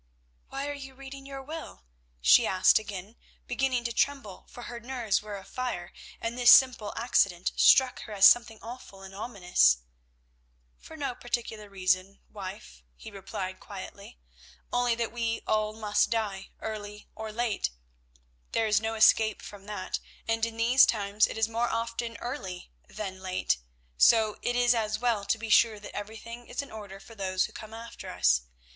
"Why are you reading your will?" she asked again, beginning to tremble, for her nerves were afire, and this simple accident struck her as something awful and ominous. "For no particular reason, wife," he replied quietly, "only that we all must die, early or late. There is no escape from that, and in these times it is more often early than late, so it is as well to be sure that everything is in order for those who come after us.